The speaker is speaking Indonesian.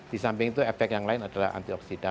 di samping itu efek yang lain adalah anti oksidan